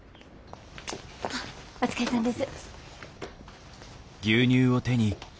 お疲れさんです。